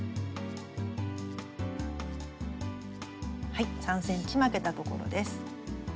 はい３ｃｍ巻けたところです。